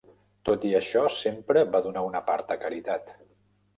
Tot i això, sempre va donar una part a caritat.